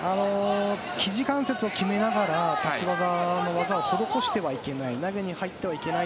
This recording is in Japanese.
ひじ関節を決めながら立ち技の技を施してはいけない。